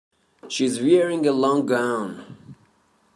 She is wearing a long gown.